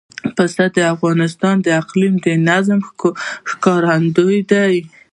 پسه د افغانستان د اقلیمي نظام ښکارندوی ده.